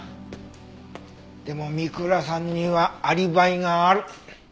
でも三倉さんにはアリバイがある。